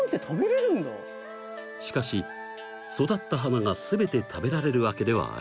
しかし育った花が全て食べられるわけではありません。